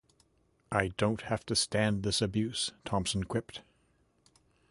"I don't have to stand this abuse," Thompson quipped.